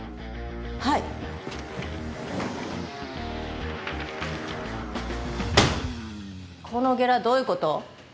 はいこのゲラどういうこと？